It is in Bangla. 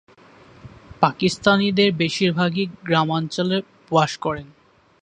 পাকিস্তানিদের বেশিরভাগই গ্রামাঞ্চলে বাস করেন।